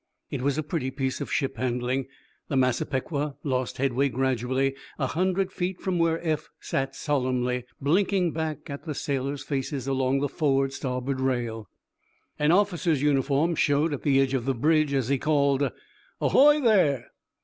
It was a pretty piece of ship handling. The "Massapequa" lost headway gradually a hundred feet from where Eph sat solemnly blinking back at the sailors' faces along the forward starboard rail. An officer's uniform showed at the edge of the bridge, as he called: "Ahoy, there!"